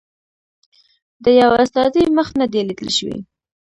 د یوه استازي مخ نه دی لیدل شوی.